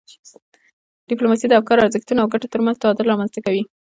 ډیپلوماسي د افکارو، ارزښتونو او ګټو ترمنځ تعادل رامنځته کوي.